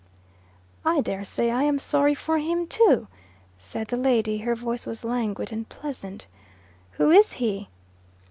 "I daresay I am sorry for him too," said the lady; her voice was languid and pleasant. "Who is he?"